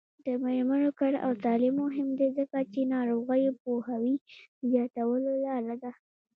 د میرمنو کار او تعلیم مهم دی ځکه چې ناروغیو پوهاوي زیاتولو لاره ده.